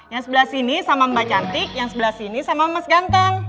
yang sebelah sini sama mbak cantik yang sebelah sini sama mas ganteng